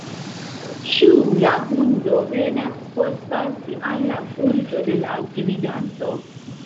Ĉu la hundo venas por salti al la gorĝo de la gvidanto?